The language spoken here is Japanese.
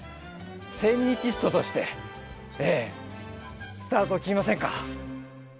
センニチストとしてええスタートを切りませんか？